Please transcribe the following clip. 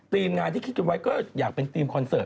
งานที่คิดกันไว้ก็อยากเป็นทีมคอนเสิร์ต